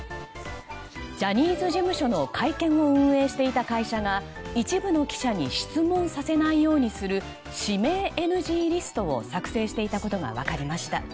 ジャニーズ事務所の会見を運営していた会社が一部の記者に質問させないようにする指名ＮＧリストを作成していたことが分かりました。